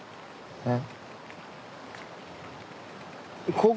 えっ？